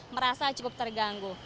terasa cukup terganggu